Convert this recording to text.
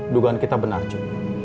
dugaan kita benar cu